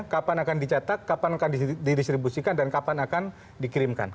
kapan akan dicetak kapan akan didistribusikan dan kapan akan dikirimkan